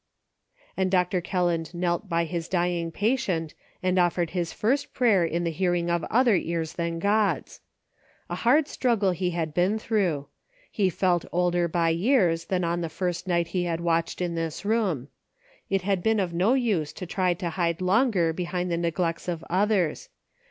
And Doctor Kelland knelt by his dying patient and offered his first prayer in the hearing of other ears than God's. A hard struggle he had been through. He felt older by years than on the first night he had watched in this room. It had been of no use to try to hide longer behind the neglects of others.